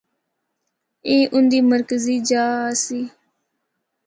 اے اُن دے مرکزی جا آسی۔